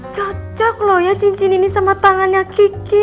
cocok loh ya cincin ini sama tangannya kiki